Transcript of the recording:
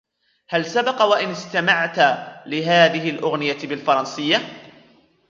هل سبق و أن استمعت لهذه الأغنية بالفرنسية ؟